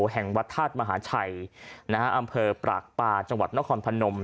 แห่งวัดธาตุมหาชัยอำเภอปรากปาจังหวัดนครพนม